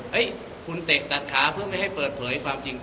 คุณเตะตัดขาเพื่อไม่ให้เปิดเผยความจริง